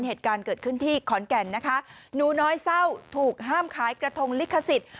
เหตุการณ์เกิดขึ้นที่ขอนแก่นนะคะหนูน้อยเศร้าถูกห้ามขายกระทงลิขสิทธิ์